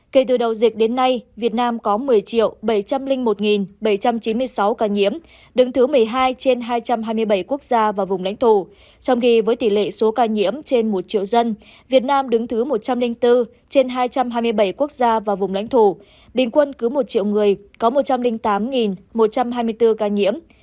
kể từ đầu dịch đến nay việt nam có một mươi bảy trăm linh một bảy trăm chín mươi sáu ca nhiễm đứng thứ một mươi hai trên hai trăm hai mươi bảy quốc gia và vùng lãnh thổ trong khi với tỷ lệ số ca nhiễm trên một triệu dân việt nam đứng thứ một trăm linh bốn trên hai trăm hai mươi bảy quốc gia và vùng lãnh thổ bình quân cứ một triệu người có một trăm linh tám một trăm hai mươi bốn ca nhiễm